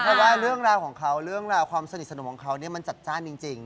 เพราะว่าเรื่องราวของเขาเรื่องราวความสนิทสนมของเขาเนี่ยมันจัดจ้านจริง